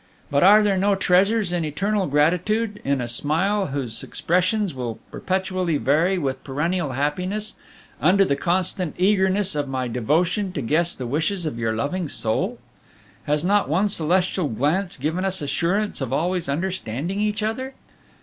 But are there no treasures in eternal gratitude, in a smile whose expressions will perpetually vary with perennial happiness, under the constant eagerness of my devotion to guess the wishes of your loving soul? Has not one celestial glance given us assurance of always understanding each other?